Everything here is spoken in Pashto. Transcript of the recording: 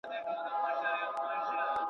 د ګرداب خولې ته کښتۍ سوه برابره.